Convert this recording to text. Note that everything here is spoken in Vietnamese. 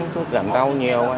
thuốc giảm đau